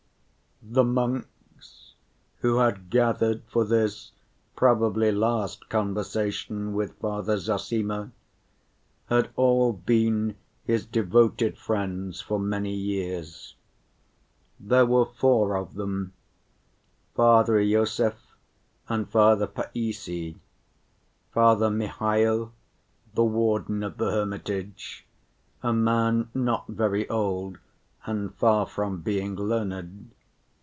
The monks, who had gathered for this probably last conversation with Father Zossima, had all been his devoted friends for many years. There were four of them: Father Iosif and Father Païssy, Father Mihaïl, the warden of the hermitage, a man not very old and far from being learned.